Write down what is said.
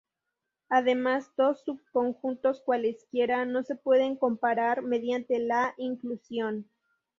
Además dos subconjuntos cualesquiera no se pueden comparar mediante la inclusión.